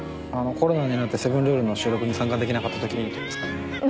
コロナになって「セブンルール」の収録に参加できなかったときにとかですかね。